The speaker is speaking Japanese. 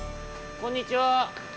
こんにちは！